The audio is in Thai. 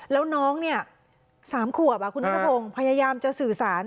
แล้วน้องเนี่ย๓ขวบคุณนัทพงศ์พยายามจะสื่อสาร